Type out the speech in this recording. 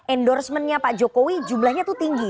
endorsementnya pak jokowi jumlahnya itu tinggi